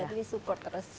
jadi disupport terus